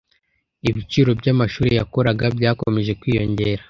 Ibiciro byamashuri yakoraga byakomeje kwiyongera.